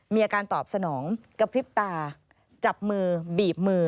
มีอาการตอบสนองกระพริบตาจับมือบีบมือ